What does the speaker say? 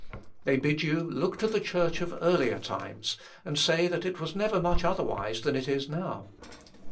They bid you look to the Church of earlier times, and say that it was never much otherwise than it is now.